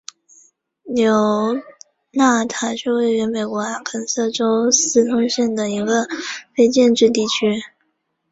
纽纳塔是位于美国阿肯色州斯通县的一个非建制地区。